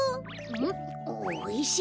んっおいしいね。